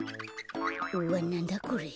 うわなんだこれ。